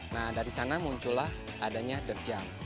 nah dari sana muncullah adanya dirt jump